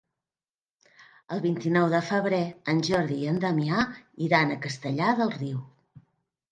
El vint-i-nou de febrer en Jordi i en Damià iran a Castellar del Riu.